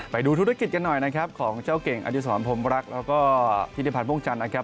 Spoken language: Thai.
ไปดูธุรกิจกันหน่อยนะครับของเจ้าเก่งอดีศรพรมรักแล้วก็ธิติพันธ์ม่วงจันทร์นะครับ